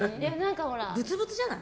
ブツブツじゃない？